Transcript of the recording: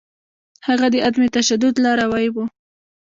هغه د عدم تشدد لاروی و.